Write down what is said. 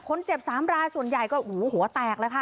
คนเจ็บ๓รายส่วนใหญ่ก็โหแตกแล้วค่ะ